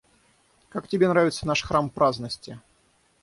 Как тебе нравится наш храм праздности?